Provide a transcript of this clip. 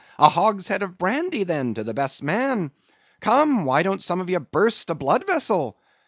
A hogshead of brandy, then, to the best man. Come, why don't some of ye burst a blood vessel?